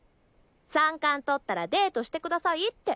「三冠とったらデートしてください」って。